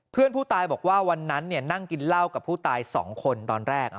เพื่อนผู้ตายบอกว่าวันนั้นนั่งกินเหล้ากับผู้ตาย๒คนตอนแรก